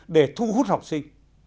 để thu hút học sinh